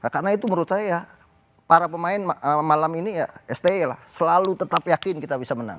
karena itu menurut saya ya para pemain malam ini ya sti lah selalu tetap yakin kita bisa menang